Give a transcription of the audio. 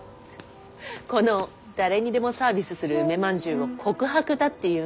この誰にでもサービスする梅まんじゅうを告白だって言うんだよお父さんは。